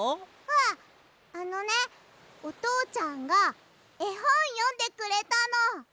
あっあのねおとうちゃんがえほんよんでくれたの。